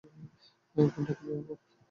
ফোনটা কি নিরাপদ?